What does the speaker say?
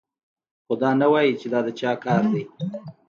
خو دا نه وايي چې دا د چا کار دی